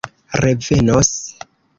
revenos